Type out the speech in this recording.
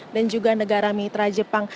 dan juga negara mitra jepang